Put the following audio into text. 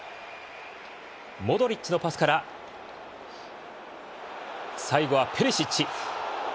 モドリッチのパスから最後はペリシッチ。